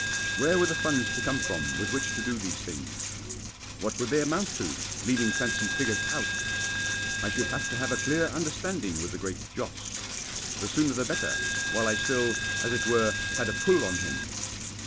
Where were the funds to come from with which to do these things? What would they amount to, leaving fancy figures out. I should have to have a clear understanding with the Great Joss. The sooner the better, while I still, as it were, had a pull on him.